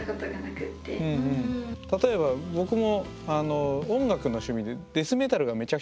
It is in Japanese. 例えば僕も音楽の趣味でへえ！